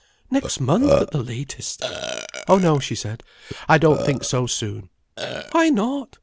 Next month, at the latest." "Oh no," she said. "I don't think so soon." "Why not?